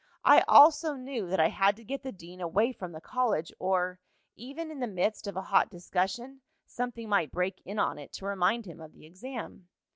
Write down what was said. I also knew that I had to get the dean away from the college, or, even in the midst of a hot discussion, something might break in on it to remind him of the exam.